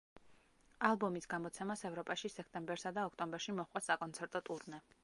ალბომის გამოცემას ევროპაში სექტემბერსა და ოქტომბერში მოჰყვა საკონცერტო ტურნე.